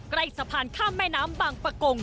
ใกล้สะพานข้ามแม่น้ำบางประกง